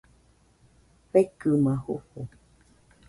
Fekɨma jofo.